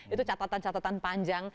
itu catatan catatan panjang